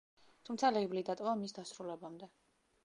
თუმცა, ლეიბლი დატოვა მის დასრულებამდე.